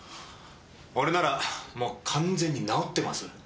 俺ならもう完全に治ってます。